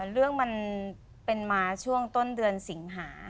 เรื่องมันเป็นมาช่วงต้นเดือนสิงหา